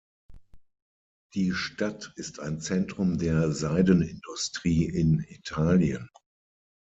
Die Stadt ist ein Zentrum der Seidenindustrie in Italien.